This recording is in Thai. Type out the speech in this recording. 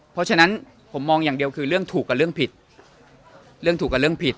เพราะฉะนั้นผมมองอย่างเดียวคือเรื่องถูกกับเรื่องผิด